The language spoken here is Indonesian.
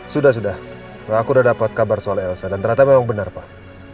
sudah sudah aku sudah dapat kabar soal elsa dan ternyata memang benar pak